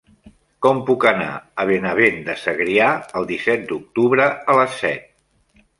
Com puc anar a Benavent de Segrià el disset d'octubre a les set?